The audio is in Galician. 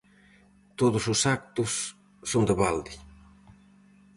Todos os actos, son de balde.